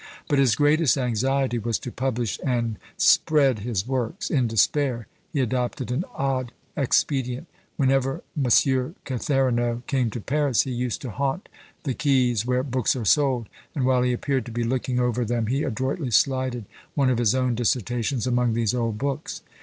But his greatest anxiety was to publish and spread his works; in despair he adopted an odd expedient. Whenever Monsieur Catherinot came to Paris, he used to haunt the quaies where books are sold, and while he appeared to be looking over them, he adroitly slided one of his own dissertations among these old books.